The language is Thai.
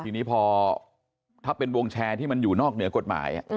ทีนี้พอถ้าเป็นวงแชร์ที่มันอยู่นอกเหนือกฎหมาย